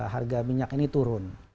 harga minyak ini turun